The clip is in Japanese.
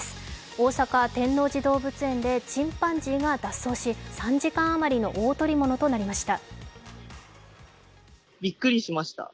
大阪、天王寺動物園でチンパンジーが脱走し３時間余りの大捕り物となりました。